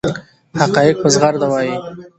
حقایق په زغرده وایي.